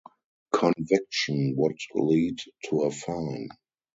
Conviction would lead to a fine.